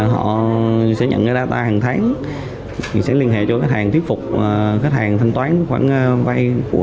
họ sẽ nhận ra ta hàng tháng sẽ liên hệ cho khách hàng thuyết phục khách hàng thanh toán khoản vay của